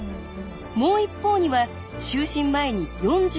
もう一方には就寝前に４５分のヨガを。